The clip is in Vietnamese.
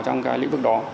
trong cái lĩnh vực đó